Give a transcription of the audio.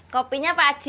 kopinya pak aci